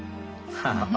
ハハハ。